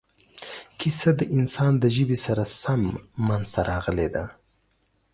کیسه د انسان د ژبې سره سم منځته راغلې ده.